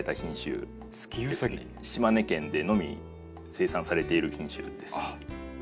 島根県でのみ生産されている品種です。